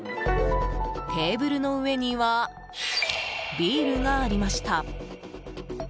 テーブルの上にはビールがありました。